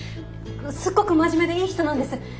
すっごく真面目でいい人なんです。